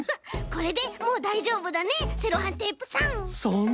これでもうだいじょうぶだねセロハンテープさん。